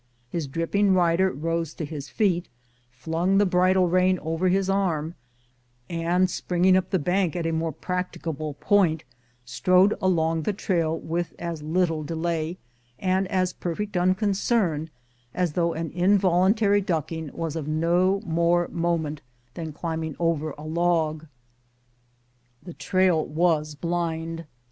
His dripping rider rose to his feet, flimg the bridle rein over his arm, and, springing up the bank at a more practi 103 MOUNT RAINIEB cabie point, strode along the trail with as little delay and as perfect unconcern as though an involuntary ducking was of no more moment than climbing over a %. le trail was blind.